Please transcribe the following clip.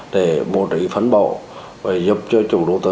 để bố trí phấn bộ và giúp cho chủ đủ tư